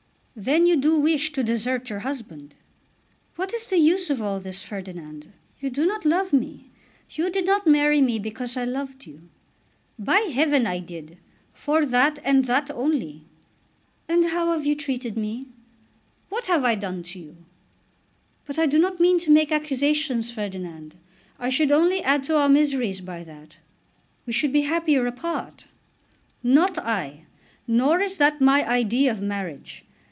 "Then you do wish to desert your husband?" "What is the use of all this, Ferdinand? You do not love me. You did not marry me because I loved you." "By heaven I did; for that and that only." "And how have you treated me?" "What have I done to you?" "But I do not mean to make accusations, Ferdinand. I should only add to our miseries by that. We should be happier apart." "Not I. Nor is that my idea of marriage.